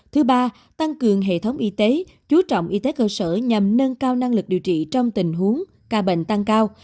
thứ ba tăng cường hệ thống y tế chú trọng y tế cơ sở nhằm nâng cao năng lực điều trị trong tình huống ca bệnh tăng cao